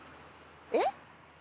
えっ？